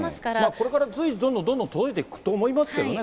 これから随時、どんどんどんどん届いていくと思いますけどね。